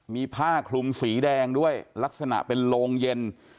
มีผ้าคลุมสีแดงด้วยลักษณะเป็นโรงเย็น